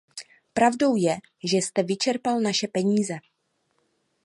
Pravdou je, že jste vyčerpal naše peníze.